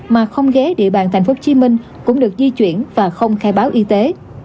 mà không ghé địa bàn tp hcm cũng được di chuyển và không khai báo y tế